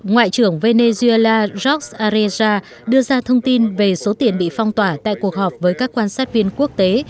ngoại trưởng venezuela george areja đưa ra thông tin về số tiền bị phong tỏa tại cuộc họp với các quan sát viên quốc tế